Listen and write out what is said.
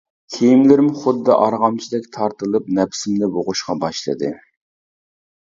كىيىملىرىم خۇددى ئارغامچىدەك تارتىلىپ نەپسىمنى بوغۇشقا باشلىدى.